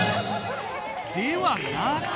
ではなく。